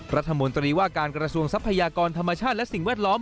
รัฐมนตรีว่าการกระทรวงทรัพยากรธรรมชาติและสิ่งแวดล้อม